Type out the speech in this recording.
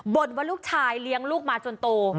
ว่าลูกชายเลี้ยงลูกมาจนโต